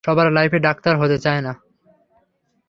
সবার লাইফে ডাক্তার হতে চায় না!